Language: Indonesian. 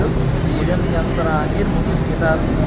kemudian yang terakhir mungkin sekitar